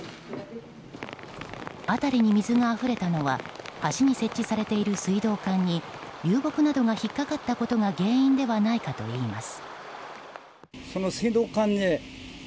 辺りに水があふれたのは橋に設置されている水道管に流木などが引っ掛かったことが原因ではないかといいます。